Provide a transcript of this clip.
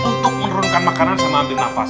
untuk menurunkan makanan sama ambil nafas